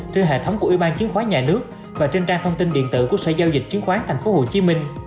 trên hệ thống của ủy ban chứng khoán nhà nước và trên trang thông tin điện tử của sở giao dịch chứng khoán tp hcm